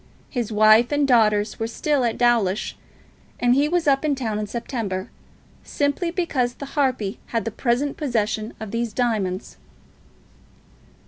His wife and daughters were still at Dawlish, and he was up in town in September, simply because the harpy had the present possession of these diamonds.